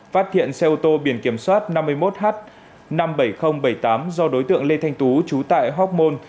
phát hiện xe ô tô biển kiểm soát năm mươi một h năm mươi bảy nghìn bảy mươi tám do đối tượng lê thanh tú trú tại hoc mon